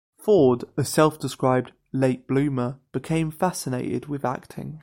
Ford, a self-described "late bloomer," became fascinated with acting.